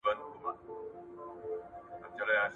له خپل ځانه سي دا حکم را ایستلای